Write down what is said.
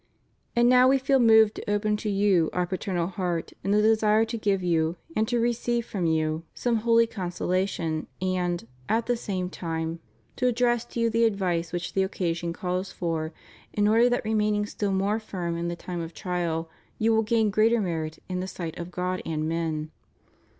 And now We feel moved to open to you Our paternal heart in the desire to give you, and to receive from you 506 THE RELIGIOUS CONGREGATIONS IN FRANCE. some holy consolation and, at the same time, to address to you the advice which the occasion calls for, in order that remaining still more firm in the time of trial you will gain greater merit in the sight of God and men.